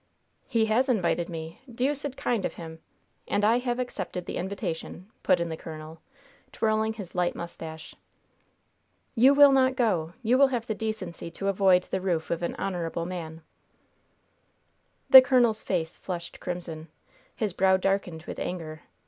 "He has invited me. Deuced kind of him! And I have accepted the invitation," put in the colonel, twirling his light mustache. "You will not go. You will have the decency to avoid the roof of an honorable man." The colonel's face flushed crimson. His brow darkened with anger.